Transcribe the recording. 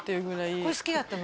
これ好きだったの？